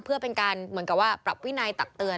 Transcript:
เพื่อเป็นการเหมือนกับว่าปรับวินัยตักเตือน